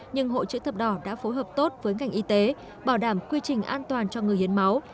nhưng hội chữ thập đỏ đã phối hợp tốt với ngành y tế bảo đảm quy trình an toàn cho người hiến máu